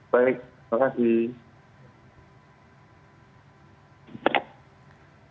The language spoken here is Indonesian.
baik terima kasih